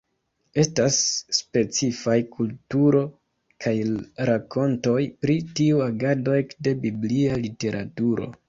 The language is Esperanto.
Estas specifaj kulturo kaj rakontoj pri tiu agado ekde biblia literaturo.